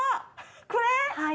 これ？